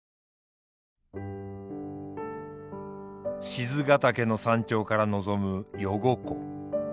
賤ヶ岳の山頂から望む余呉湖。